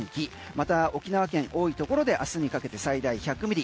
また沖縄県の多いところで明日にかけて最大１００ミリ